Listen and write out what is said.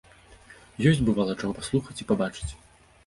Ёсць, бывала, чаго паслухаць і пабачыць.